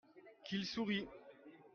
Qu'il sourit !